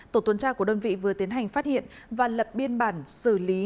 tổ tuần tra của đơn vị vừa tiến hành phát hiện và lập biên bản xử lý